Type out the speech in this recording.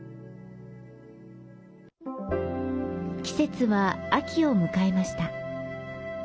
季節は秋を迎えました。